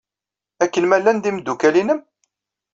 Akken ma llan d imeddukal-nnem?